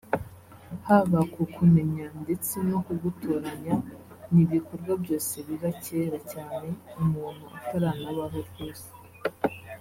haba kukumenya ndetse no kugutoranya ni ibikorwa byose biba kera cyane umuntu ataranabaho rwose